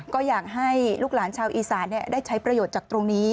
ก็อยากให้ลูกหลานชาวอีสานได้ใช้ประโยชน์จากตรงนี้